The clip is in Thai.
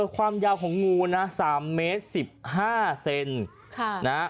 ความยาวของงูนะ๓เมตร๑๕เซน